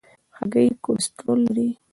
هګۍ کولیسټرول لري.